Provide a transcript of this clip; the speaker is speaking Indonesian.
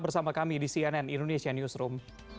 bersama kami di cnn indonesia newsroom